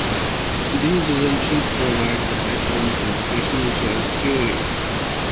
These assumptions provide the backbone for rational choice theory.